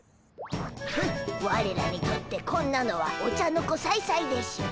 フッわれらにとってこんなのはお茶の子さいさいでしゅ。